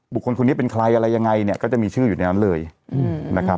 คนนี้เป็นใครอะไรยังไงเนี่ยก็จะมีชื่ออยู่ในนั้นเลยนะครับ